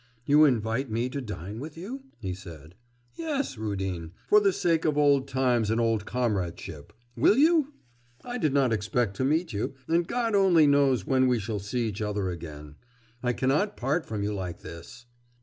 'You invite me to dine with you?' he said. 'Yes, Rudin, for the sake of old times and old comradeship. Will you? I did not expect to meet you, and God only knows when we shall see each other again. I cannot part from you like this!